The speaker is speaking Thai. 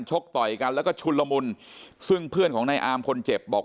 ต่อยกันแล้วก็ชุนละมุนซึ่งเพื่อนของนายอามคนเจ็บบอก